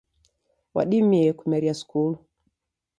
Wadimie kumeria skulu.